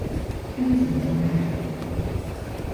ヒューズが飛んだ。